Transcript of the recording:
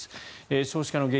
少子化の原因